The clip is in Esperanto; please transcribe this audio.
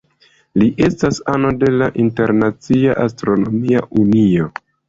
Li estas ano de la Internacia Astronomia Unio.